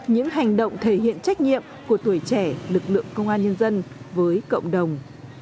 những hành động thể hiện trách nhiệm của tuổi trẻ lực lượng công an nhân dân với cộng đồng